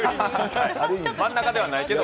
真ん中ではないけど。